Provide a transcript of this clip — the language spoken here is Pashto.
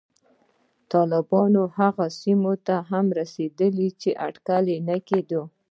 طالبان هغو سیمو ته هم رسېدلي چې اټکل نه کېده